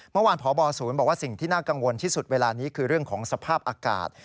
เมื่อวานพบศูนย์บอกว่าสิ่งที่น่ากังวลที่สุดเวลานี้คือเรื่องของสภาพอากาศ